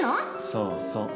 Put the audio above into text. そうそう。